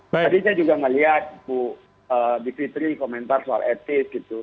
tadinya juga melihat bu dikritri komentar soal etis gitu